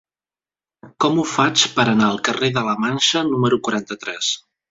Com ho faig per anar al carrer de la Manxa número quaranta-tres?